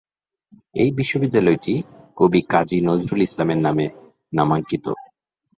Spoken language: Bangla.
এই বিশ্ববিদ্যালয়টি কবি কাজী নজরুল ইসলামের নামে নামাঙ্কিত।